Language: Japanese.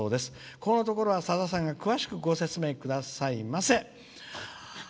ここのところは、さださんが詳しくご説明くださいませ」。